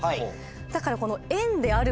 だからこの。